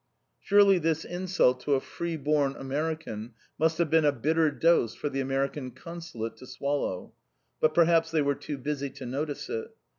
Surely this insult to a free born American must have been a bitter dose for the American Consulate to swallow. But perhaps they were too busy to notice it!